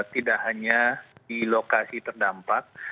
tidak hanya di lokasi terdampak